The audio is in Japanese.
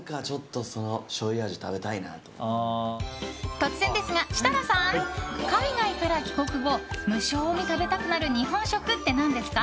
突然ですが、設楽さん海外から帰国後無性に食べたくなる日本食って何ですか？